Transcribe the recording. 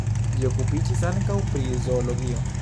Li okupiĝis ankaŭ pri zoologio.